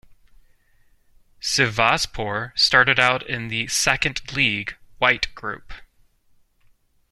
Sivasspor started out in the Second League, White Group.